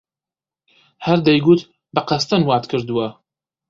هەر دەیگوت بە قەستەن وات کردووە!